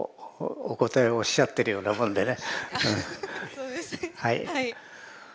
そうですねはい。